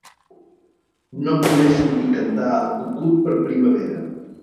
No poder sentir cantar el cucut per primavera.